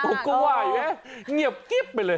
ก็ไหวไงเงียบไปเลย